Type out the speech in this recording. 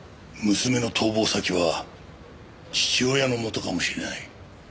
娘の逃亡先は父親の元かもしれない。